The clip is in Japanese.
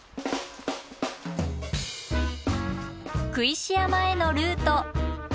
工石山へのルート。